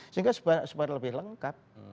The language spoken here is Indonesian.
sehingga sebarang lebih lengkap